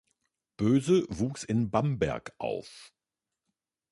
Böse wuchs in Bamberg auf.